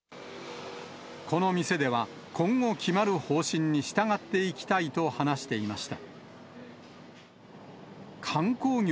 この店では、今後決まる方針に従っていきたいと話していました。